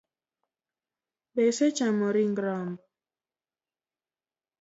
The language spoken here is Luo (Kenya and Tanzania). Be isechamo ring rombo?